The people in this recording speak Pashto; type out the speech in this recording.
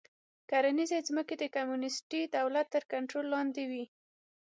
کرنیزې ځمکې د کمونېستي دولت تر کنټرول لاندې وې